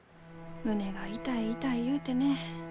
胸が痛い痛い言うてね。